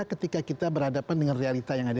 ketika kita berhadapan dengan realita yang ada